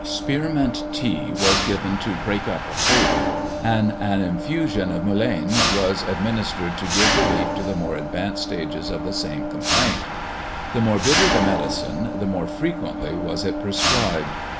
Spearmint tea was given to "break up" a cold; and an infusion of mullein was administered to give relief in the more advanced stages of the same complaint. The more bitter the medicine, the more frequently was it prescribed.